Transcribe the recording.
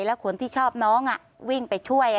แล้วคนที่ชอบน้องวิ่งไปช่วย